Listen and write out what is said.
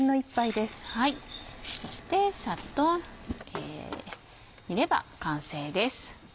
そしてさっと煮れば完成です。